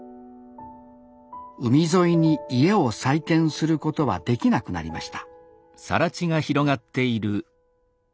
海沿いに家を再建することはできなくなりました